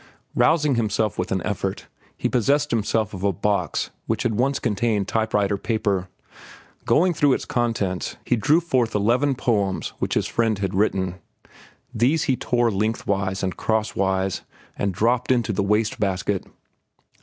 Rousing himself with an effort, he possessed himself of a box which had once contained type writer paper. Going through its contents, he drew forth eleven poems which his friend had written. These he tore lengthwise and crosswise and dropped into the waste basket.